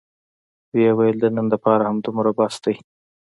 ويې ويل د نن دپاره همدومره بس دى.